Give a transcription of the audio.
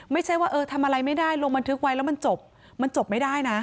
ไม่ใช่ว่าเออทำอะไรไม่ได้ลงบันทึกไว้แล้วมันจบมันจบไม่ได้นะ